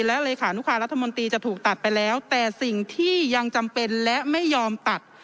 และเลขานุการรัฐมนตรีจะถูกตัดไปแล้วแต่สิ่งที่ยังจำเป็นและไม่ยอมตัด